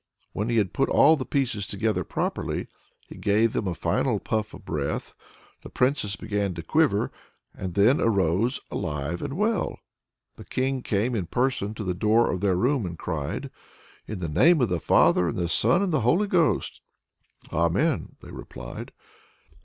When he had put all the pieces together properly, he gave them a final puff of breath: the Princess began to quiver, and then arose alive and well! The King came in person to the door of their room, and cried: "In the name of the Father, and the Son, and the Holy Ghost!" "Amen!" they replied.